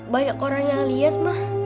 banyak orang yang lihat mah